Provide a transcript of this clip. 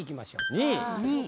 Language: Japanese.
２位。